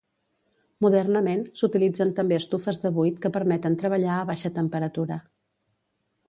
Modernament, s'utilitzen també estufes de buit que permeten treballar a baixa temperatura.